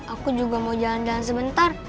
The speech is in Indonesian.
aku juga mau jalan jalan sebentar